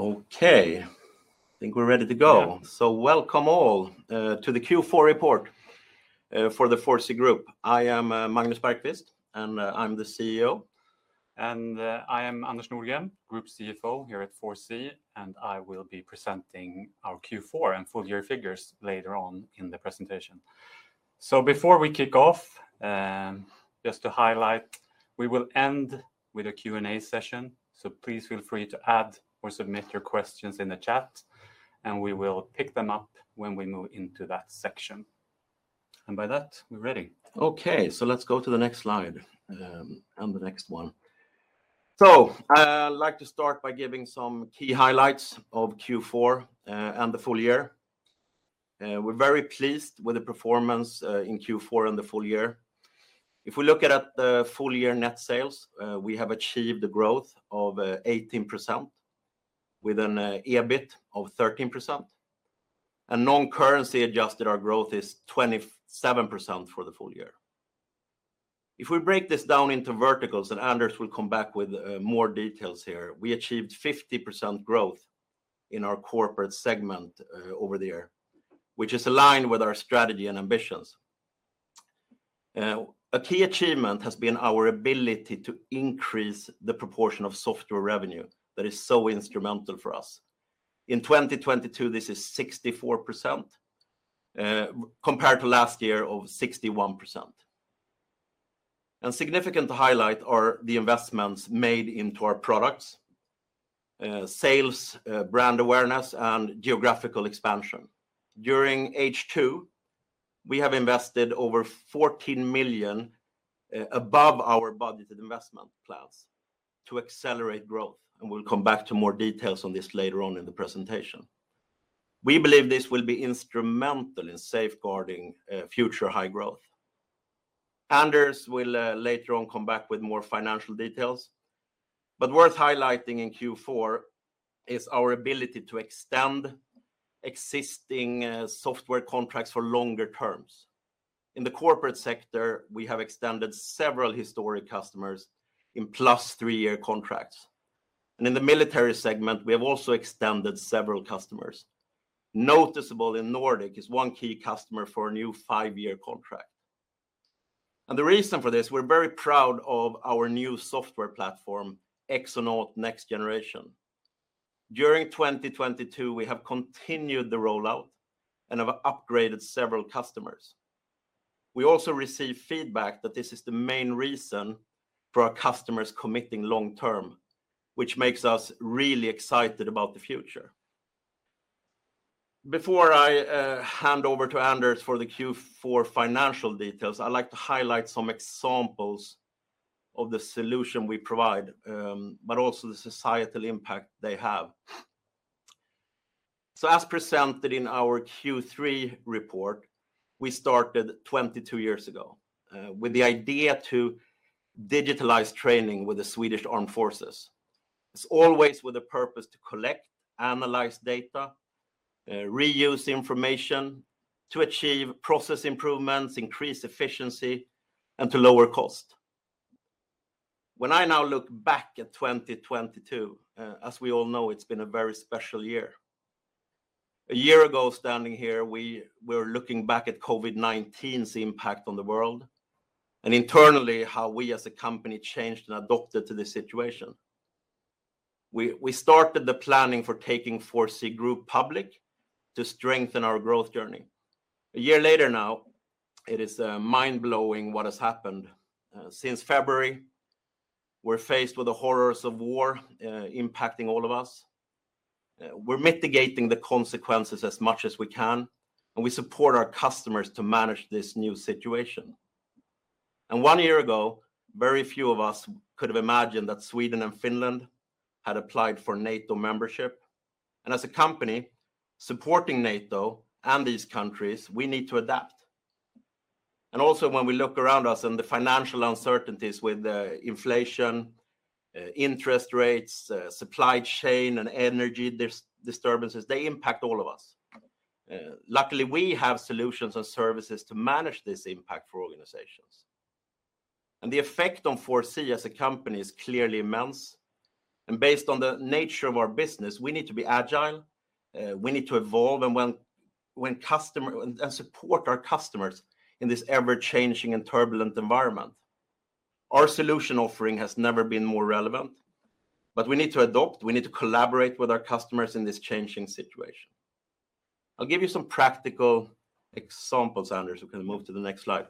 Okay, I think we're ready to go. Yeah. Welcome all to the Q4 Report for the 4C Group. I am Magnus Bergqvist, and I'm the CEO. I am Anders Nordgren, Group CFO here at 4C, and I will be presenting our Q4 and full-year figures later on in the presentation. Before we kick off, just to highlight, we will end with a Q&A session, so please feel free to add or submit your questions in the chat, and we will pick them up when we move into that section. By that, we're ready. Okay, let's go to the next slide, and the next one. I'd like to start by giving some key highlights of Q4, and the full-year. We're very pleased with the performance in Q4 and the full-year. If we look at the full-year net sales, we have achieved the growth of 18% with an EBIT of 13%, and non-currency adjusted, our growth is 27% for the full-year. If we break this down into verticals, and Anders will come back with more details here, we achieved 50% growth in our corporate segment over the year, which is aligned with our strategy and ambitions. A key achievement has been our ability to increase the proportion of software revenue that is so instrumental for us. In 2022, this is 64%, compared to last year of 61%. A significant highlight are the investments made into our products, sales, brand awareness, and geographical expansion. During H2, we have invested over 14 million above our budgeted investment plans to accelerate growth, we'll come back to more details on this later on in the presentation. We believe this will be instrumental in safeguarding future high growth. Anders will later on come back with more financial details, worth highlighting in Q4 is our ability to extend existing software contracts for longer terms. In the corporate sector, we have extended several historic customers in +3-year contracts, in the military segment, we have also extended several customers. Noticeable in Nordic is one key customer for a new five-year contract. The reason for this, we're very proud of our new software platform, Exonaut Next Generation. During 2022, we have continued the rollout and have upgraded several customers. We also receive feedback that this is the main reason for our customers committing long-term, which makes us really excited about the future. Before I hand over to Anders for the Q4 financial details, I'd like to highlight some examples of the solution we provide, but also the societal impact they have. As presented in our Q3 report, we started 22 years ago with the idea to digitalize training with the Swedish Armed Forces. It's always with a purpose to collect, analyze data, reuse information to achieve process improvements, increase efficiency, and to lower cost. When I now look back at 2022, as we all know, it's been a very special year. A year ago, standing here, we were looking back at COVID-19's impact on the world and internally, how we as a company changed and adapted to the situation. We started the planning for taking 4C Group public to strengthen our growth journey. A year later now, it is mind-blowing what has happened. Since February, we're faced with the horrors of war, impacting all of us. We're mitigating the consequences as much as we can, and we support our customers to manage this new situation. One year ago, very few of us could have imagined that Sweden and Finland had applied for NATO membership, and as a company supporting NATO and these countries, we need to adapt. Also, when we look around us and the financial uncertainties with the inflation, interest rates, supply chain, and energy disturbances, they impact all of us. Luckily, we have solutions and services to manage this impact for organizations. The effect on 4C as a company is clearly immense, and based on the nature of our business, we need to be agile, we need to evolve and support our customers in this ever-changing and turbulent environment. Our solution offering has never been more relevant, we need to adopt, we need to collaborate with our customers in this changing situation. I'll give you some practical examples, Anders. We can move to the next slide.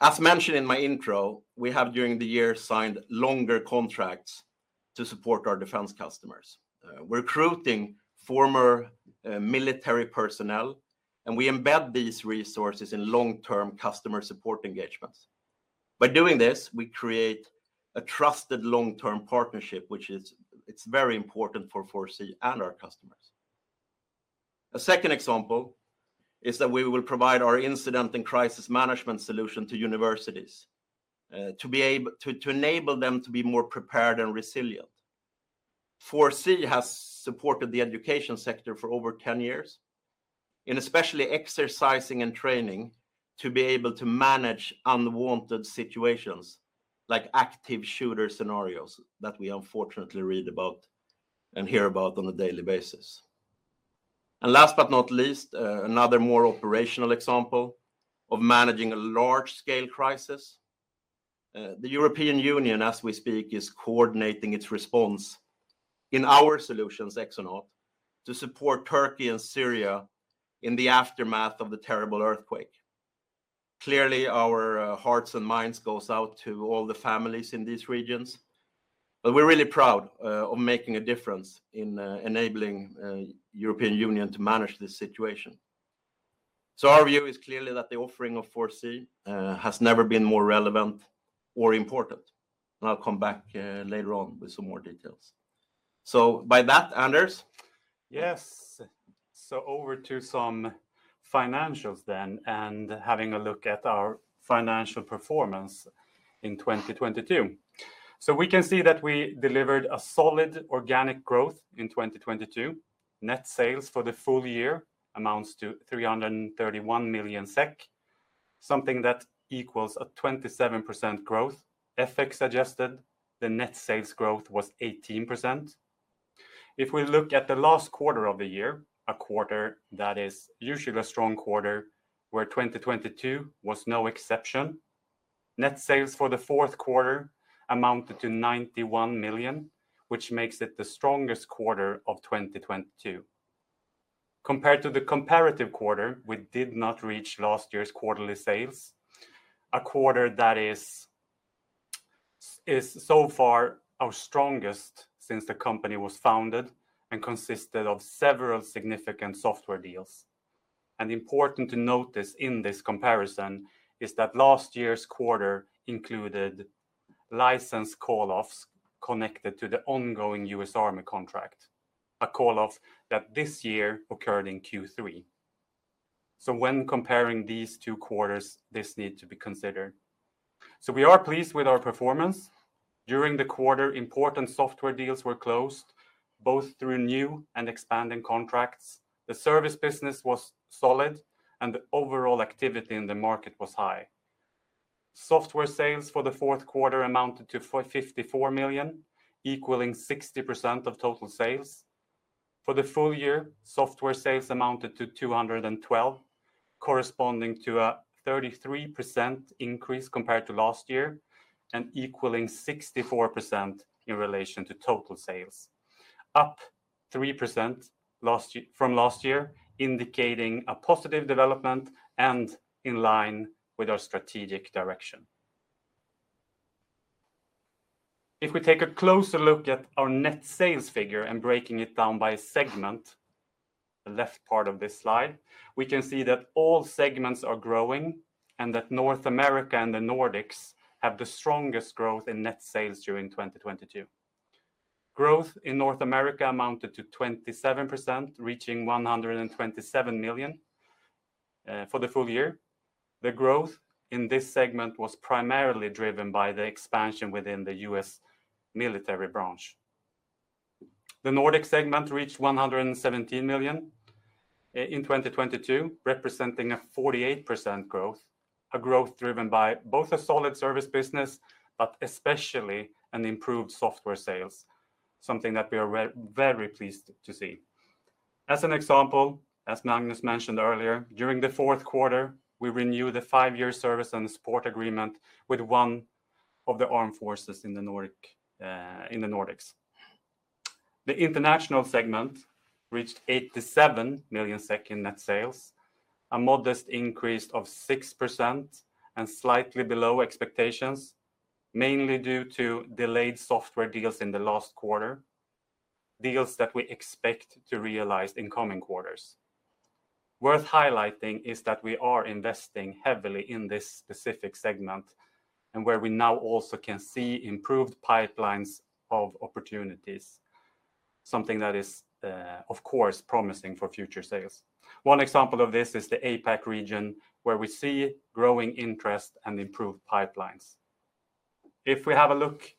As mentioned in my intro, we have during the year signed longer contracts to support our defense customers, recruiting former military personnel, and we embed these resources in long-term customer support engagements. By doing this, we create a trusted long-term partnership, it's very important for 4C and our customers. A second example is that we will provide our incident and crisis management solution to universities to enable them to be more prepared and resilient. 4C has supported the education sector for over 10 years. In especially exercising and training to be able to manage unwanted situations like active shooter scenarios that we unfortunately read about and hear about on a daily basis. Last but not least, another more operational example of managing a large-scale crisis. The European Union, as we speak, is coordinating its response in our solutions, Exonaut, to support Turkey and Syria in the aftermath of the terrible earthquake. Clearly, our hearts and minds goes out to all the families in these regions, but we're really proud of making a difference in enabling European Union to manage this situation. Our view is clearly that the offering of 4C has never been more relevant or important. I'll come back later on with some more details. By that, Anders. Yes. Over to some financials and having a look at our financial performance in 2022. We can see that we delivered a solid organic growth in 2022. Net sales for the full-year amounts to 331 million SEK, something that equals a 27% growth. FX adjusted, the net sales growth was 18%. If we look at the last quarter of the year, a quarter that is usually a strong quarter where 2022 was no exception, net sales for the fourth quarter amounted to 91 million, which makes it the strongest quarter of 2022. Compared to the comparative quarter, we did not reach last year's quarterly sales, a quarter that is so far our strongest since the company was founded and consisted of several significant software deals. Important to note this in this comparison is that last year's quarter included license call-offs connected to the ongoing U.S. Army contract, a call-off that this year occurred in Q3. When comparing these two quarters, this need to be considered. We are pleased with our performance. During the quarter, important software deals were closed, both through new and expanding contracts. The service business was solid and the overall activity in the market was high. Software sales for the fourth quarter amounted to 54 million, equaling 60% of total sales. For the full-year, software sales amounted to 212 million, corresponding to a 33% increase compared to last year and equaling 64% in relation to total sales. Up 3% from last year, indicating a positive development and in line with our strategic direction. If we take a closer look at our net sales figure and breaking it down by segment, the left part of this slide, we can see that all segments are growing and that North America and the Nordics have the strongest growth in net sales during 2022. Growth in North America amounted to 27%, reaching 127 million for the full-year. The growth in this segment was primarily driven by the expansion within the U.S. military branch. The Nordic segment reached 117 million in 2022, representing a 48% growth, a growth driven by both a solid service business, but especially an improved software sales, something that we are very pleased to see. As an example, as Magnus mentioned earlier, during the fourth quarter, we renewed the five-year service and support agreement with one of the armed forces in the Nordics. The international segment reached 87 million net sales, a modest increase of 6% and slightly below expectations, mainly due to delayed software deals in the last quarter, deals that we expect to realize in coming quarters. Worth highlighting is that we are investing heavily in this specific segment and where we now also can see improved pipelines of opportunities, something that is, of course, promising for future sales. One example of this is the APAC region, where we see growing interest and improved pipelines. If we have a look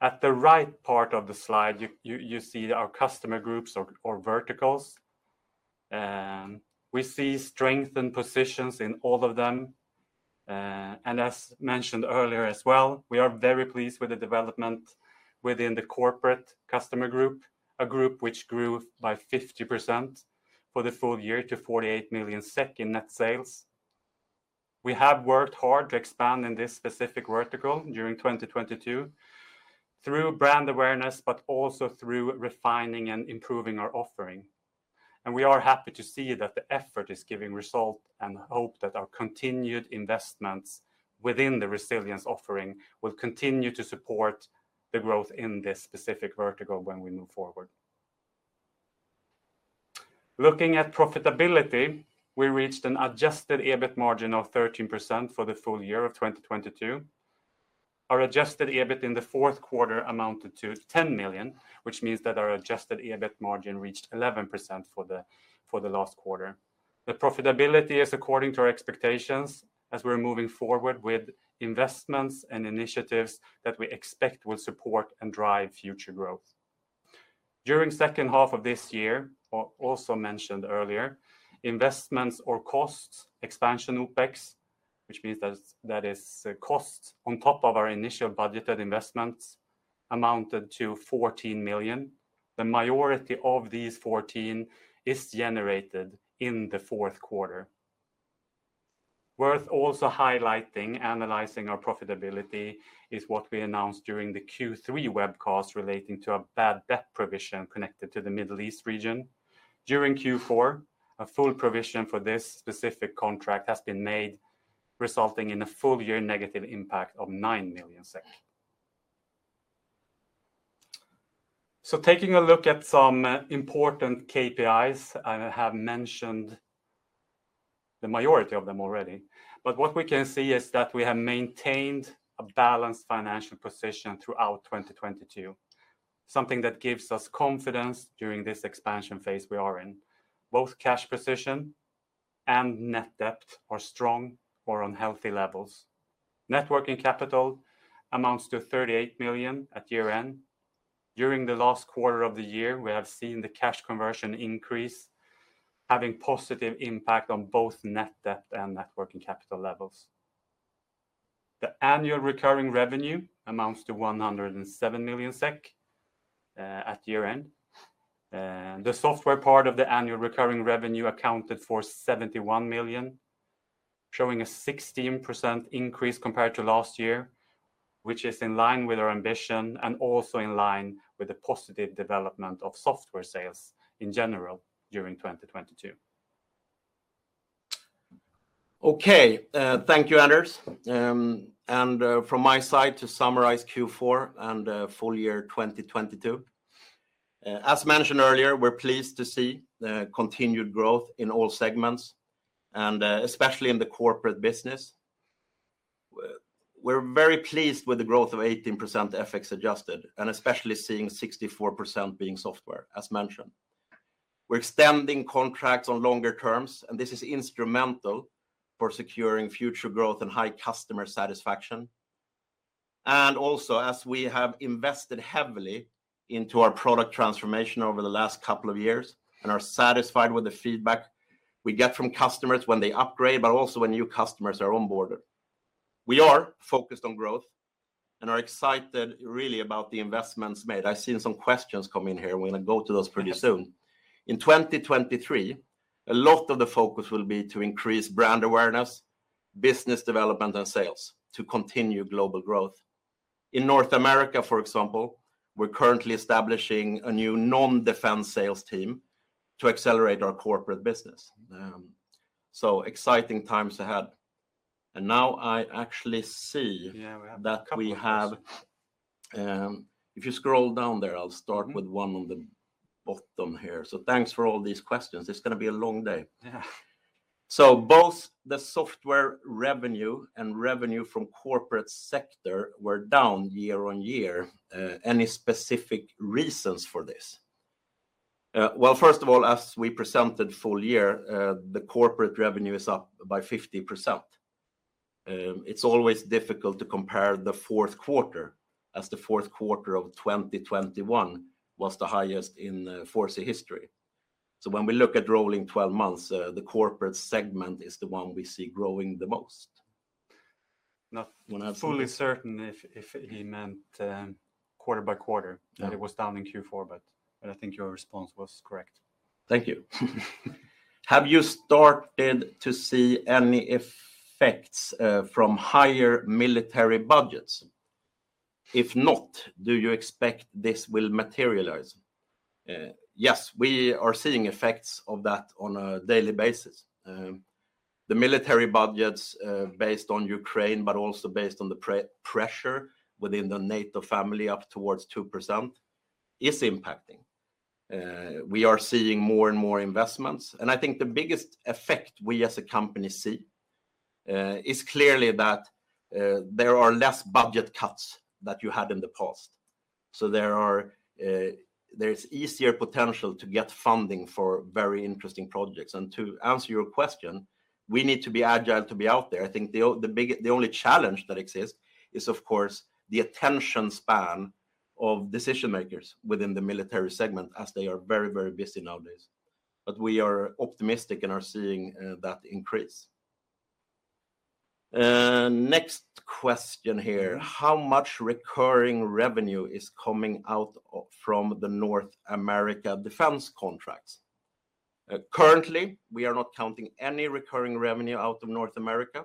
at the right part of the slide, you see our customer groups or verticals. We see strengthened positions in all of them. As mentioned earlier as well, we are very pleased with the development within the corporate customer group, a group which grew by 50% for the full-year to 48 million net sales. We have worked hard to expand in this specific vertical during 2022 through brand awareness, but also through refining and improving our offering. We are happy to see that the effort is giving result and hope that our continued investments within the resilience offering will continue to support the growth in this specific vertical when we move forward. Looking at profitability, we reached an adjusted EBIT margin of 13% for the full-year of 2022. Our adjusted EBIT in the fourth quarter amounted to 10 million, which means that our adjusted EBIT margin reached 11% for the last quarter. The profitability is according to our expectations as we're moving forward with investments and initiatives that we expect will support and drive future growth. During second half of this year, or also mentioned earlier, investments or costs expansion OpEx, which means that is costs on top of our initial budgeted investments amounted to 14 million. The majority of these 14 is generated in the fourth quarter. Worth also highlighting, analyzing our profitability is what we announced during the Q3 web call relating to a bad debt provision connected to the Middle East region. During Q4, a full provision for this specific contract has been made, resulting in a full-year negative impact of 9 million SEK. Taking a look at some important KPIs, I have mentioned the majority of them already, but what we can see is that we have maintained a balanced financial position throughout 2022, something that gives us confidence during this expansion phase we are in. Both cash position and net debt are strong or on healthy levels. Net working capital amounts to 38 million at year-end. During the last quarter of the year, we have seen the cash conversion increase, having positive impact on both net debt and net working capital levels. The annual recurring revenue amounts to 107 million SEK at year-end. The software part of the annual recurring revenue accounted for 71 million, showing a 16% increase compared to last year, which is in line with our ambition and also in line with the positive development of software sales in general during 2022. Thank you, Anders. From my side to summarize Q4 and full-year 2022, as mentioned earlier, we're pleased to see the continued growth in all segments and especially in the corporate business. We're very pleased with the growth of 18% FX adjusted, and especially seeing 64% being software, as mentioned. We're extending contracts on longer terms, this is instrumental for securing future growth and high customer satisfaction. As we have invested heavily into our product transformation over the last couple of years and are satisfied with the feedback we get from customers when they upgrade, but also when new customers are onboarded. We are focused on growth and are excited really about the investments made. I've seen some questions come in here. We're gonna go to those pretty soon. In 2023, a lot of the focus will be to increase brand awareness, business development, and sales to continue global growth. In North America, for example, we're currently establishing a new non-defense sales team to accelerate our corporate business. Exciting times ahead. Yeah, we have a couple of questions. that we have, if you scroll down there.... I will start with one on the bottom here. Thanks for all these questions. It's gonna be a long day. Yeah. Both the software revenue and revenue from corporate sector were down year-on-year. Any specific reasons for this? First of all, as we presented full-year, the corporate revenue is up by 50%. It's always difficult to compare the fourth quarter, as the fourth quarter of 2021 was the highest in 4C history. When we look at rolling 12 months, the corporate segment is the one we see growing the most. Not- Wanna- fully certain if he meant, quarter-by-quarter. Yeah... that it was down in Q4, but I think your response was correct. Thank you. Have you started to see any effects from higher military budgets? If not, do you expect this will materialize? Yes, we are seeing effects of that on a daily basis. The military budgets, based on Ukraine, but also based on the pre-pressure within the NATO family up towards 2% is impacting. We are seeing more and more investments, and I think the biggest effect we as a company see is clearly that there are less budget cuts that you had in the past. There are, there is easier potential to get funding for very interesting projects. To answer your question, we need to be agile to be out there. I think the big, the only challenge that exists is, of course, the attention span of decision-makers within the military segment as they are very, very busy nowadays. We are optimistic and are seeing that increase. Next question here. How much recurring revenue is coming out from the North America defense contracts? Currently, we are not counting any recurring revenue out of North America,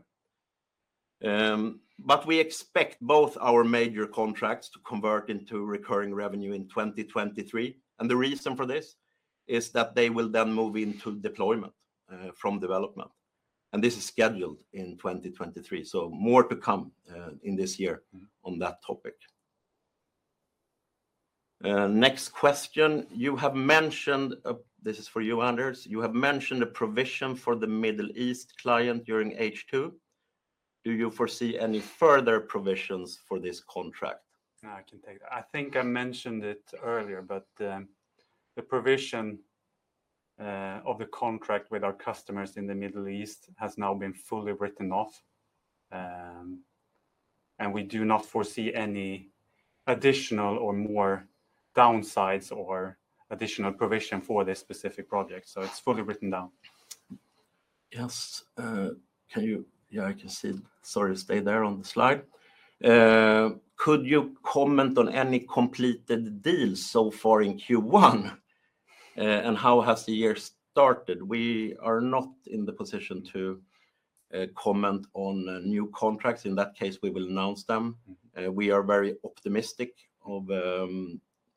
but we expect both our major contracts to convert into recurring revenue in 2023. The reason for this is that they will then move into deployment from development, and this is scheduled in 2023. More to come in this year on that topic. Next question. You have mentioned, this is for you, Anders. You have mentioned a provision for the Middle East client during H2. Do you 4C any further provisions for this contract? No, I can take that. I think I mentioned it earlier, but the provision of the contract with our customers in the Middle East has now been fully written off. We do not 4C any additional or more downsides or additional provision for this specific project. It's fully written down. Yes. I can see. Sorry, stay there on the slide. Could you comment on any completed deals so far in Q1? How has the year started? We are not in the position to comment on new contracts. In that case, we will announce them. We are very optimistic of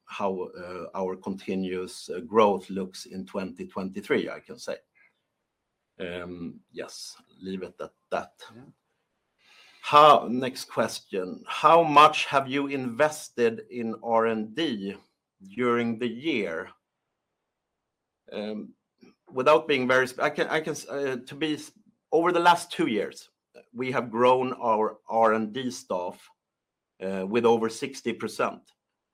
how our continuous growth looks in 2023, I can say. Yes, leave it at that. Yeah. Next question, how much have you invested in R&D during the year? Without being very over the last two years, we have grown our R&D staff with over 60%,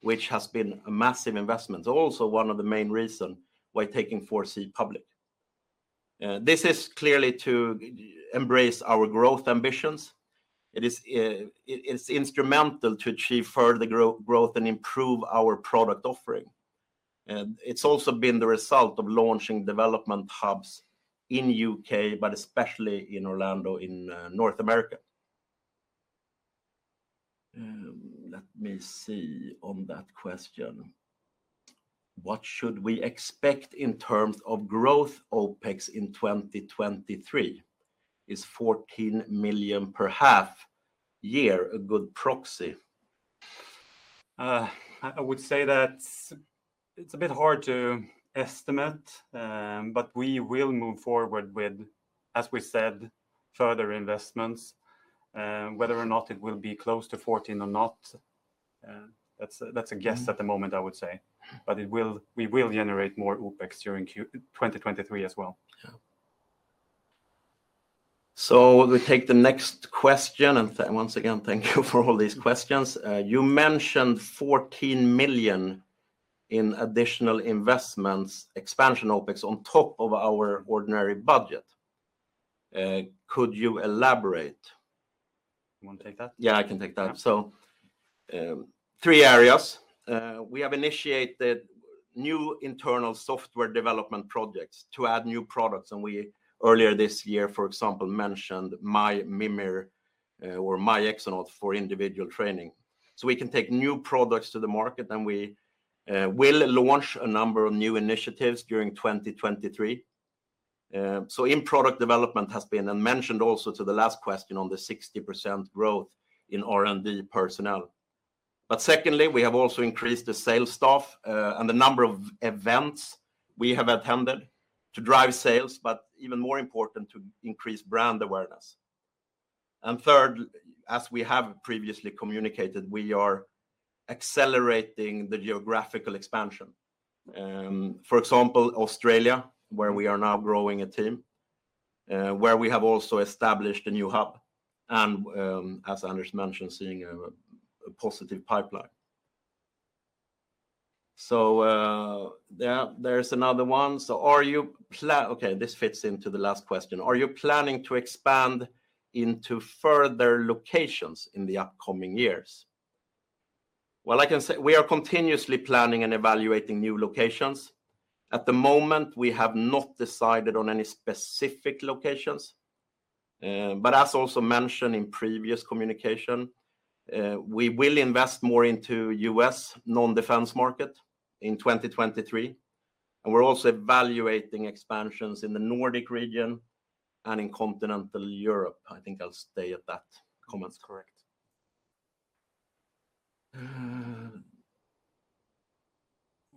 which has been a massive investment. One of the main reason why taking 4C public. This is clearly to embrace our growth ambitions. It's instrumental to achieve further growth and improve our product offering. It's also been the result of launching development hubs in U.K., but especially in Orlando, in North America. Let me see on that question. What should we expect in terms of growth OpEx in 2023? Is 14 million per half-year a good proxy? I would say that it's a bit hard to estimate. We will move forward with, as we said, further investments, whether or not it will be close to 14 or not, that's a guess at the moment I would say. We will generate more OpEx during 2023 as well. Yeah. We take the next question, and once again, thank you for all these questions. You mentioned 14 million in additional investments expansion OpEx on top of our ordinary budget. Could you elaborate? You wanna take that? Yeah, I can take that. Yeah. Three areas. We have initiated new internal software development projects to add new products, and we earlier this year, for example, mentioned MyMIMIR or MyExonaut for individual training. We can take new products to the market, and we will launch a number of new initiatives during 2023. In-product development has been, and mentioned also to the last question on the 60% growth in R&D personnel. Secondly, we have also increased the sales staff, and the number of events we have attended to drive sales, but even more important, to increase brand awareness. Third, as we have previously communicated, we are accelerating the geographical expansion. For example, Australia, where we are now growing a team, where we have also established a new hub, and as Anders mentioned, seeing a positive pipeline. There's another one. Okay, this fits into the last question. Are you planning to expand into further locations in the upcoming years? I can say we are continuously planning and evaluating new locations. At the moment, we have not decided on any specific locations, but as also mentioned in previous communication, we will invest more into US non-defense market in 2023, and we're also evaluating expansions in the Nordic region and in continental Europe. I think I'll stay at that comment. That's correct.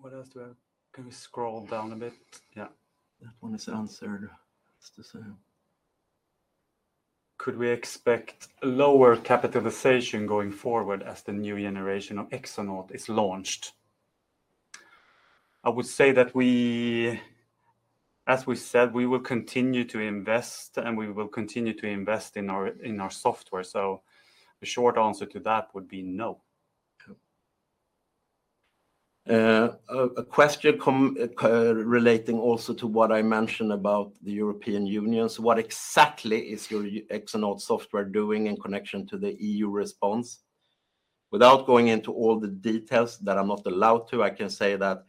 What else do I have? Can we scroll down a bit? Yeah. That one is answered. It's the same. Could we expect lower capitalization going forward as the new generation of Exonaut is launched? I would say that we, as we said, we will continue to invest in our software. The short answer to that would be no. Okay. A question relating also to what I mentioned about the European Union. What exactly is your Exonaut software doing in connection to the EU response? Without going into all the details that I'm not allowed to, I can say that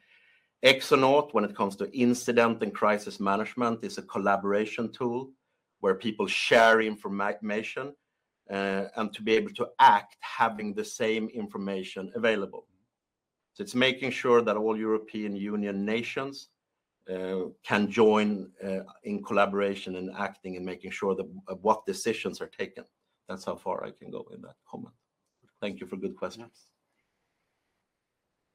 Exonaut, when it comes to incident and crisis management, is a collaboration tool where people share information and to be able to act having the same information available. It's making sure that all European Union nations can join in collaboration and acting and making sure of what decisions are taken. That's how far I can go in that comment. Thank you for good questions.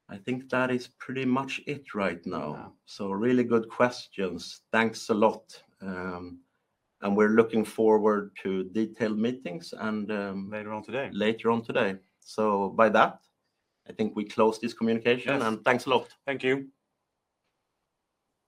Yeah. I think that is pretty much it right now. Yeah. Really good questions. Thanks a lot. We're looking forward to detailed meetings. Later on today.... later on today. By that, I think we close this communication. Yes. Thanks a lot. Thank you.